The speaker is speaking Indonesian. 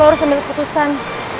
lo harus ambil keputusan